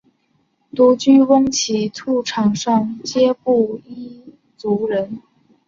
独山翁奇兔场上街布依族人。